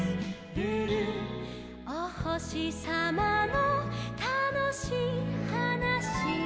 「おほしさまのたのしいはなし」